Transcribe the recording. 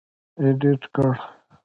اېډېټ کړ.